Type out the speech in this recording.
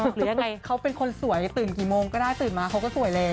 หรือยังไงเขาเป็นคนสวยตื่นกี่โมงก็ได้ตื่นมาเขาก็สวยแล้ว